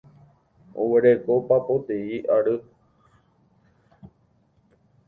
Oguereko papoteĩ ary.